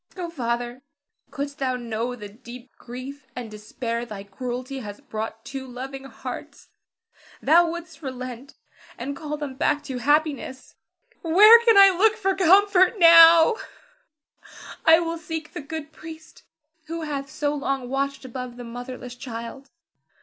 Oh, Father, couldst thou know the deep grief and despair thy cruelty has brought two loving hearts, thou wouldst relent, and call them back to happiness. Where can I look for comfort now? [Weeps.] I will seek the good priest who hath so long watched above the motherless child.